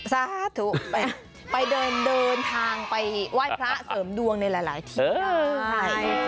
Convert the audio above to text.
สาธุไปไปเดินทางไปไหว้พระเสริมดวงในหลายที่เลย